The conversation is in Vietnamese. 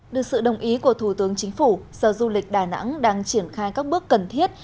được sự đồng ý của thủ tướng chính phủ sở du lịch đà nẵng đang triển khai các bước cần thiết